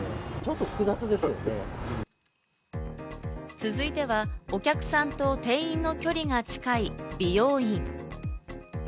続いては、お客さんと店員の距離が近い美容院。